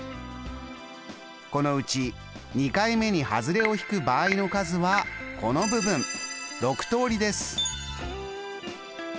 このうち２回目にハズレを引く場合の数はこの部分６通りです。